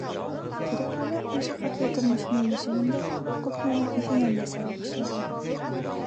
Тирәклелә мәшәҡәтле тормош менән йәшәгәндә күп нәмә иҫенән дә сыға башлаған.